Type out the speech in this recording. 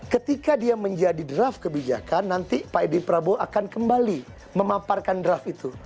ketika dia menjadi draft kebijakan nanti pak edi prabowo akan kembali memaparkan draft itu